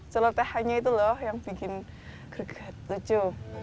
celotehannya itu loh yang bikin gerget lucu